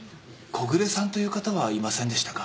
木暮さんという方はいませんでしたか？